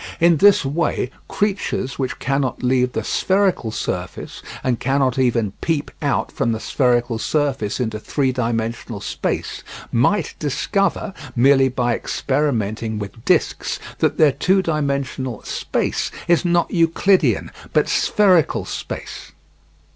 In this way creatures which cannot leave the spherical surface, and cannot even peep out from the spherical surface into three dimensional space, might discover, merely by experimenting with discs, that their two dimensional "space" is not Euclidean, but spherical space.